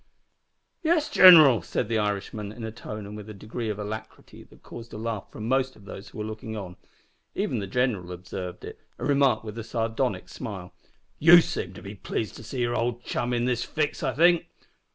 "Yis, gineral," said the Irishman, in a tone and with a degree of alacrity that caused a laugh from most of those who were looking on. Even the "gineral" observed it, and remarked with a sardonic smile "You seem to be pleased to see your old chum in this fix, I think."